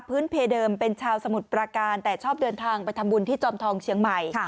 เพเดิมเป็นชาวสมุทรประการแต่ชอบเดินทางไปทำบุญที่จอมทองเชียงใหม่